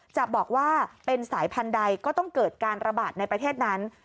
จะบอกว่าเป็นสายพันธุ์ใดก็ต้องเกิดการระบาดในประเทศนั้น